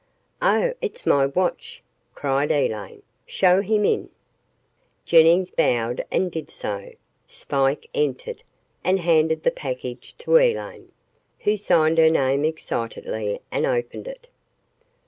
"Oh, it's my watch," cried Elaine. "Show him in." Jennings bowed and did so. Spike entered, and handed the package to Elaine, who signed her name excitedly and opened it.